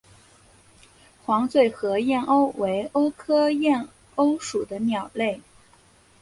黄嘴河燕鸥为鸥科燕鸥属的鸟类。